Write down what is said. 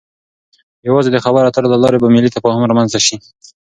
يوازې د خبرو اترو له لارې به ملی تفاهم رامنځته شي.